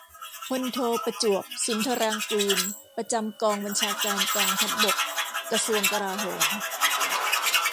พลโท ประจวบ สุนทรางกูร ประจำกองบัญชาการกองทัพบก กระทรวงกลาโหม